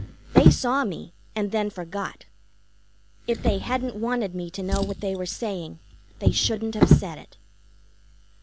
They saw me, and then forgot. If they hadn't wanted me to know what they were saying, they shouldn't have said it.